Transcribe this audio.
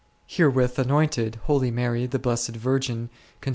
Here with anointed, Holy Mary the Blessed Virgin con r Cant.